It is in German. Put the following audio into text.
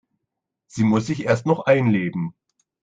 Sie muss sich erst noch einleben.